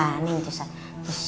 makan yang susah